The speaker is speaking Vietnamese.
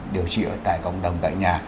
điều trị ở tại cộng đồng tại nhà